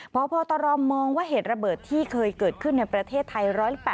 พบตรมองว่าเหตุระเบิดที่เคยเกิดขึ้นในประเทศไทย๑๘๐